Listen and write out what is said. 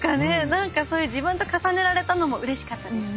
何かそういう自分と重ねられたのもうれしかったです。